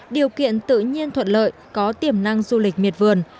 điều kiện tự nhiên thuận lợi có tiềm năng du lịch miệt vườn